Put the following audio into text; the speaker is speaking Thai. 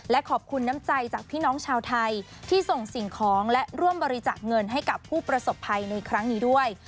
และขอบคุณน้ำใจจากพี่น้องชาวไทยที่ส่งสิ่งของและร่วมบริจาคเงินให้กับผู้ประสบภัยในครั้งนี้ด้วย